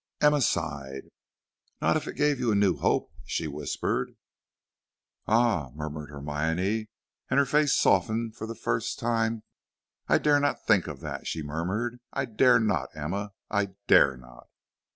Emma sighed. "Not if it gave you a new hope," she whispered. "Ah," murmured Hermione, and her face softened for the first time. "I dare not think of that," she murmured. "I dare not, Emma; I DARE NOT."